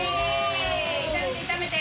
炒めて炒めて。